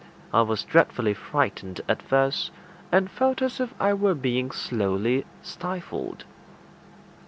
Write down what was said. I was dreadfully frightened at first, and felt as if I were being slowly stifled.